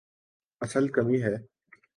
اصل کمی ہے۔